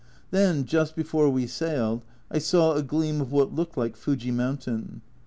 Then, just before we sailed, I saw a gleam of what looked like Fuji mountain.